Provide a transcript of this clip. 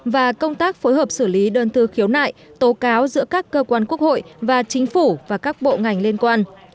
và công tác phối hợp xử lý đơn thư khiếu nại tố cáo giữa các cơ quan quốc hội và chính phủ và các bộ ngành liên quan